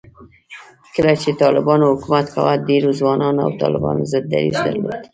کله چې طالبانو حکومت کاوه، ډېرو ځوانانو د طالبانو ضد دریځ درلود